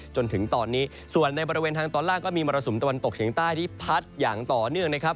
จนถึงตอนนี้ส่วนในบริเวณทางตอนล่างก็มีมรสุมตะวันตกเฉียงใต้ที่พัดอย่างต่อเนื่องนะครับ